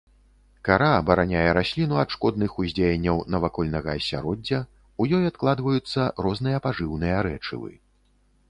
Кара абараняе расліну ад шкодных уздзеянняў навакольнага асяроддзя, у ёй адкладваюцца розныя пажыўныя рэчывы.